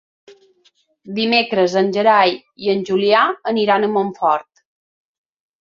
Dimecres en Gerai i en Julià aniran a Montfort.